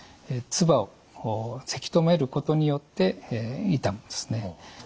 唾をせき止めることによって痛むんですね。